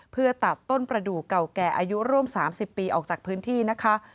เพื่อตัดต้นประดูกเก่าแก่อายุร่วม๓๐ปีออกจากพื้นที่นะคะ